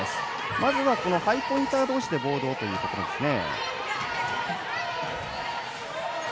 まずはハイポインター同士でボールをというところですね。